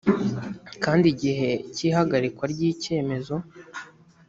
kandi igihe cy ihagarikwa ry icyemezo